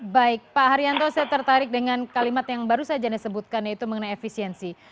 baik pak haryanto saya tertarik dengan kalimat yang baru saja anda sebutkan yaitu mengenai efisiensi